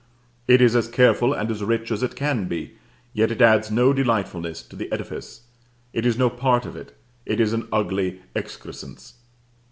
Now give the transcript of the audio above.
It is as careful and as rich as it can be, yet it adds no delightfulness to the edifice. It is no part of it. It is an ugly excrescence.